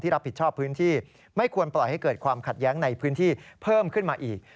รับผิดชอบพื้นที่ไม่ควรปล่อยให้เกิดความขัดแย้งในพื้นที่เพิ่มขึ้นมาอีก